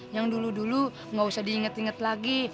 yang dulu dulu gak usah diinget inget lagi